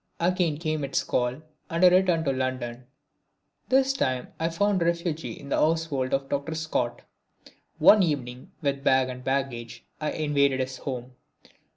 Again came its call and I returned to London. This time I found a refuge in the household of Dr. Scott. One fine evening with bag and baggage I invaded his home.